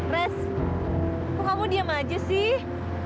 res kok kamu diam aja sih